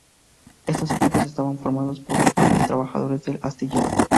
Estos equipos estaban formados por los propios trabajadores del astillero.